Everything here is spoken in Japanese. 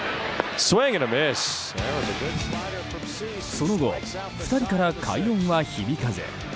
その後、２人から快音は響かず。